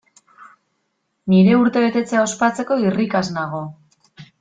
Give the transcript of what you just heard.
Nire urtebetetzea ospatzeko irrikaz nago!